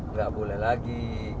nggak boleh lagi